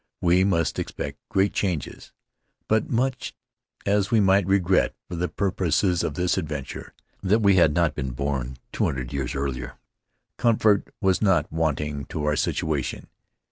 We must expect great changes. But much as we might regret for the pur poses of this adventure that we had not been born two hundred years earlier, comfort was not wanting to our situation.